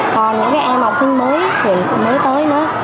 còn những em học sinh chuyển mới tới nữa